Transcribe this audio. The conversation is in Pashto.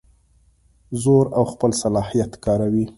زور او خپل صلاحیت کاروي.